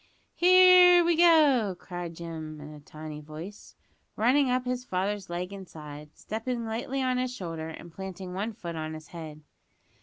"Here we go," cried Jim in a tiny voice, running up his father's leg and side, stepping lightly on his shoulder, and planting one foot on his head.